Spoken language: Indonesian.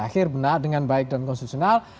akhir benar dengan baik dan konstitusional